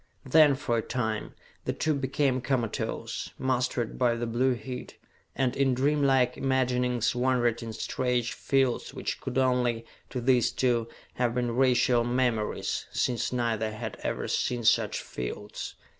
Then, for a time, the two became comatose, mastered by the blue heat, and in dreamlike imaginings wandered in strange fields which could only, to these two, have been racial memories, since neither had ever seen such fields.